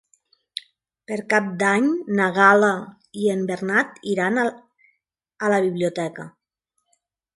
Per Cap d'Any na Gal·la i en Bernat iran a la biblioteca.